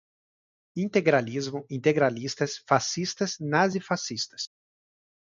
Integralismo, integralistas, fascistas, nazifascistas